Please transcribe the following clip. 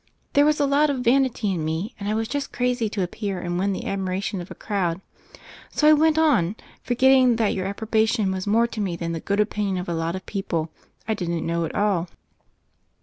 There was a lot of vanity in me, and I was just crazy to appear and win the admiration of a crowd. So I went on, forgetting that your approbation was more to me than the good opinion of a lot of people I didn't know at all.